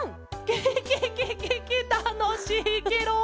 ケケケケケたのしいケロ！